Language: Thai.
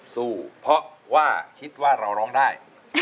สู้เพราะว่าคิดว่าเราร้องได้